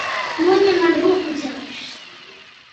Noņem man rokudzelžus!